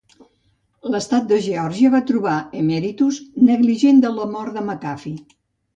L'estat de Geòrgia va trobar Emeritus negligent de la mort de McAfee.